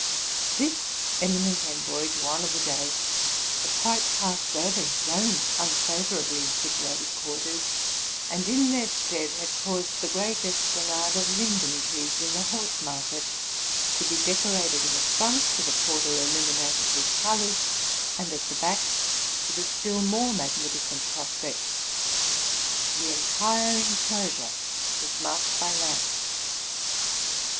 This eminent envoy, to honor the day, had quite passed over his own unfavorably situated quarters, and in their stead had caused the great esplanade of linden trees in the Horse market to be decorated in the front with a portal illuminated with colors, and at the back with a still more magnificent prospect. The entire enclosure was marked by — lamps.